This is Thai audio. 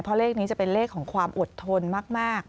เพราะเลขนี้จะเป็นเลขของความอดทนมาก